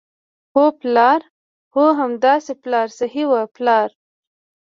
هو، پلار، هو همداسې پلار صحیح وو، پلار.